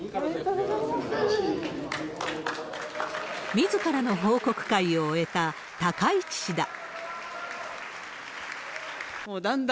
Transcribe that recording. みずからの報告会を終えた高市氏だ。